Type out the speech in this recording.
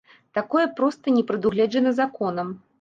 Такое проста не прадугледжана законам.